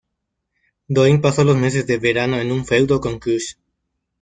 Doink pasó los meses de verano en un feudo con Crush.